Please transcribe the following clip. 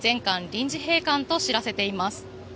臨時閉館と知らされています。